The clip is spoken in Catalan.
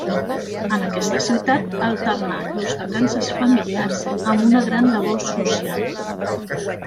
En aquesta ciutat alternà llurs vacances familiars amb una gran labor social.